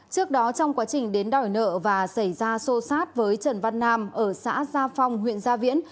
trước đó trong quá trình đến đòi nợ và xảy ra xô xát với trần văn nam ở xã gia phong huyện gia viễn